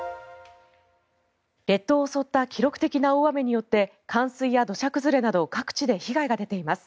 列島を襲った記録的な大雨により冠水や土砂崩れなど各地で被害が出ています。